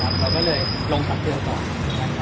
เราก็เลยลงตัดเตือนก่อน